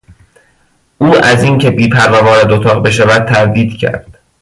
او از این که بیپروا وارد اتاق بشود تردید کرد.